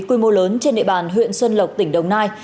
quy mô lớn trên địa bàn huyện xuân lộc tỉnh đồng nai